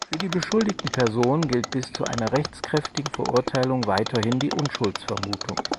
Für die beschuldigten Personen gilt bis zu einer rechtskräftigen Verurteilung weiterhin die Unschuldsvermutung.